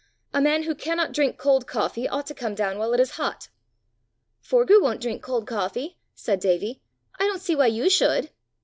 A man who cannot drink cold coffee ought to come down while it is hot." "Forgue won't drink cold coffee!" said Davie: "I don't see why you should!"